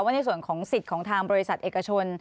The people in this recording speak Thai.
ในส่วนของสิทธิ์ของทางบริษัทเอกชน